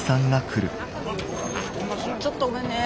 ちょっとごめんね。